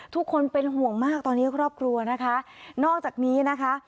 ทุกคนเป็นห่วงมากตอนนี้ครอบครัวนะคะนอกจากนี้นะคะ